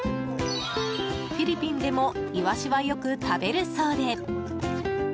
フィリピンでもイワシはよく食べるそうで。